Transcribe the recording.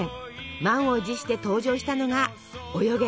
満を持して登場したのが「およげ！